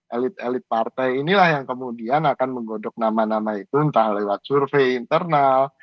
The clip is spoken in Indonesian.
elit elit partai inilah yang kemudian akan menggodok nama nama itu entah lewat survei internal